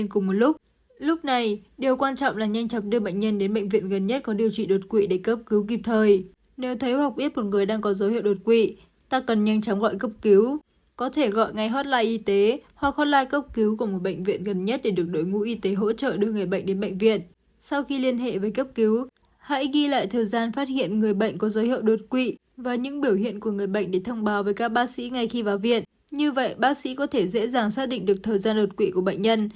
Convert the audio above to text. như vậy bác sĩ có thể dễ dàng xác định được thời gian đột quỵ của bệnh nhân